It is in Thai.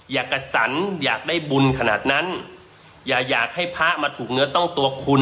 กระสันอยากได้บุญขนาดนั้นอย่าอยากให้พระมาถูกเนื้อต้องตัวคุณ